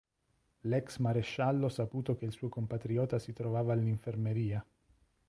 L'ex-maresciallo, saputo che il suo compatriota si trovava all'infermeria.